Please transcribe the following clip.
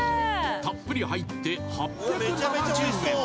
たっぷり入って８７０円。